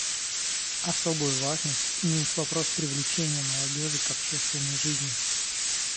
Особую важность имеет вопрос привлечения молодежи к общественной жизни.